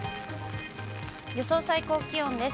予想最高気温です。